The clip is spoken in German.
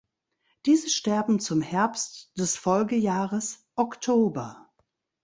Diese sterben zum Herbst des Folgejahres (Oktober).